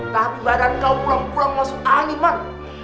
tapi badan kau kurang kurang masuk angin man